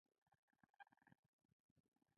کله چې مو تش جواب چای کولو نيزه جوړه شوه.